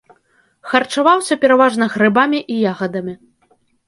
Харчаваўся пераважна грыбамі і ягадамі.